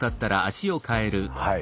はい。